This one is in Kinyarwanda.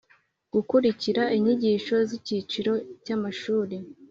Gukurikira inyigisho z icyiciro cy amashuri